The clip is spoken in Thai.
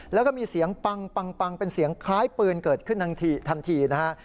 แล้วก็มีเสียงปังเป็นเสียงคล้ายปืนเกิดขึ้นทันทีนะฮะ